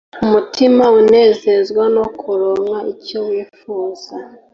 umutima unezezwa no kuronka icyo wifuza